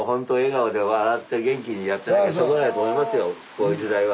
こういう時代は。